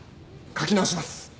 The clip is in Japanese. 書き直します。